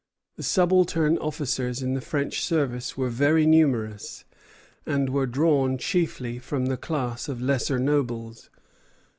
The subaltern officers in the French service were very numerous, and were drawn chiefly from the class of lesser nobles.